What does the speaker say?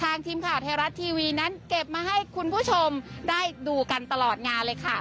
ทีมข่าวไทยรัฐทีวีนั้นเก็บมาให้คุณผู้ชมได้ดูกันตลอดงานเลยค่ะ